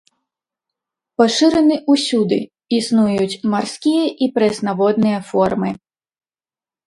Пашыраны ўсюды, існуюць марскія і прэснаводныя формы.